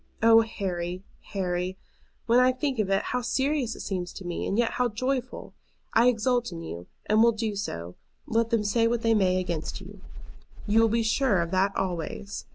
Oh, Harry, Harry, when I think of it, how serious it seems to me, and yet how joyful! I exult in you, and will do so, let them say what they may against you. You will be sure of that always.